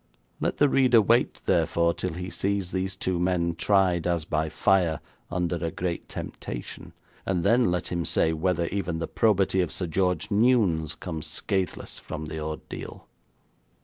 Let the reader wait, therefore, till he sees these two men tried as by fire under a great temptation, and then let him say whether even the probity of Sir George Newnes comes scathless from the ordeal.